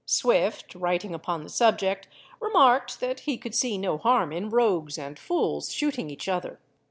Swift, writing upon the subject, remarked that he could see no harm in rogues and fools shooting each other.